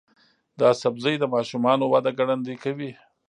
دا سبزی د ماشومانو وده ګړندۍ کوي.